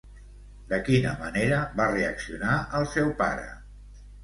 De quina manera va reaccionar el seu pare?